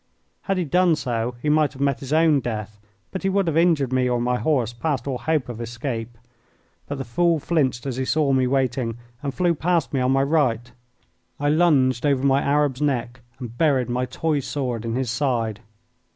Had he done so he might have met his own death, but he would have injured me or my horse past all hope of escape. But the fool flinched as he saw me waiting and flew past me on my right. I lunged over my Arab's neck and buried my toy sword in his side.